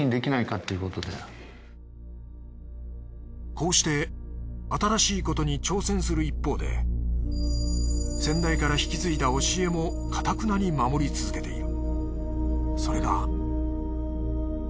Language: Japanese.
こうして新しいことに挑戦する一方で先代から引き継いだ教えもかたくなに守り続けている。